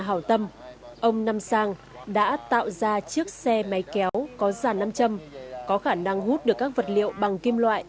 xin mời quay trở lại